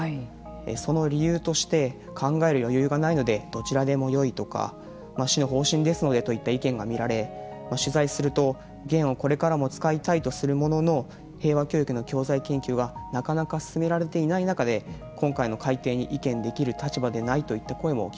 その理由として考える余裕がないのでどちらでもよいとか市の方針ですのでといった意見が見られ取材するとゲンをこれからも使いたいとするものの平和教育の教材研究はなかなか進められていない中で今回の改訂に意見できる立場ではないと。